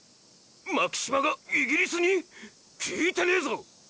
⁉巻島がイギリスに⁉聞いてねェぞ！！